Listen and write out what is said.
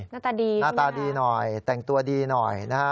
หน้าตาดีหน้าตาดีหน่อยแต่งตัวดีหน่อยนะฮะ